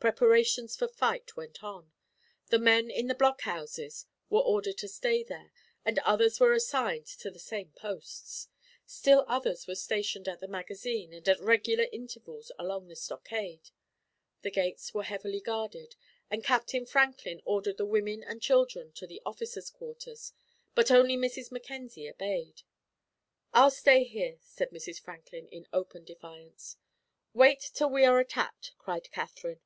Preparations for fight went on. The men in the blockhouses were ordered to stay there, and others were assigned to the same posts. Still others were stationed at the magazine and at regular intervals along the stockade. The gates were heavily guarded, and Captain Franklin ordered the women and children to the officers' quarters, but only Mrs. Mackenzie obeyed. "I'll stay here," said Mrs. Franklin, in open defiance. "Wait till we are attacked," cried Katherine.